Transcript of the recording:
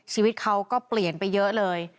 ชีวิตเขาก็เปลี่ยนไปเยอะเลย